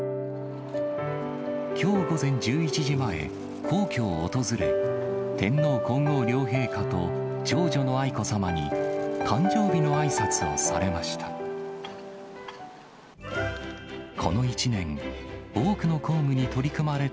きょう午前１１時前、皇居を訪れ、天皇皇后両陛下と長女の愛子さまに、誕生日のあいさつをされました。